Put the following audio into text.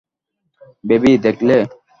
Baby, দেখলে?